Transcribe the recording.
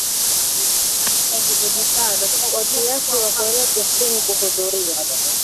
wakiasiri korea kusini kuhudhuria